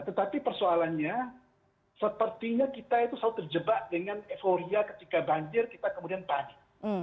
tetapi persoalannya sepertinya kita itu selalu terjebak dengan euforia ketika banjir kita kemudian panik